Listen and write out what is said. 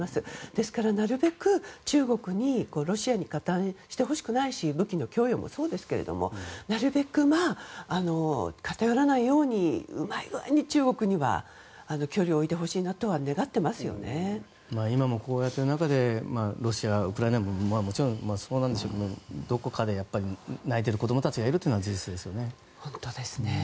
ですから、なるべく中国にロシアに加担してほしくないし武器の供与もそうですけどなるべく偏らないようにうまい具合に中国には距離を置いてほしいと今もこういった中でロシア、ウクライナももちろんそうなんでしょうけどどこかで、やっぱり泣いている子供たちがいるのは本当ですね。